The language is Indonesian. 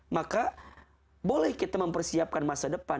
maka boleh kita mempersiapkan masa depan